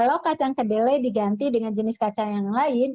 kalau kacang kedelai diganti dengan jenis kacang yang lain